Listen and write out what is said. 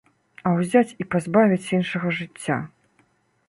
А ўзяць і пазбавіць іншага жыцця.